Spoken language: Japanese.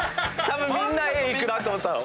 みんなＡいくなと思ったの。